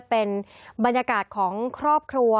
เป็นบรรยากาศของครอบครัว